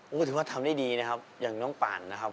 ก็ถือว่าทำได้ดีนะครับอย่างน้องป่านนะครับ